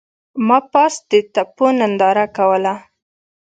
ما پاس د تپو ننداره کوله.